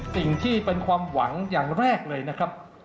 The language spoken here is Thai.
สิ่งที่เป็นความหวังอย่างแรกเลยนะครับ